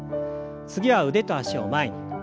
次は腕と脚を前に。